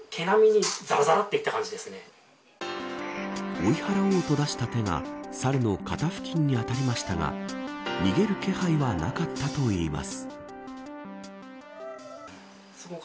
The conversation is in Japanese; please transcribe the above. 追い払おうと出した手が猿の肩付近に当たりましたが逃げる気配はなかったといいます。